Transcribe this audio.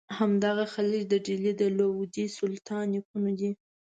همدغه خلج د ډهلي د لودي سلطانانو نیکونه دي.